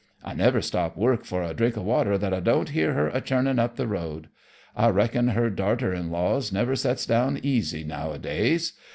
I never stop work for a drink o' water that I don't hear her a churnin' up the road. I reckon her darter in laws never sets down easy nowadays.